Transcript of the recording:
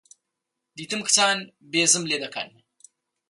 دیتم کچان بێزم لێ دەکەن.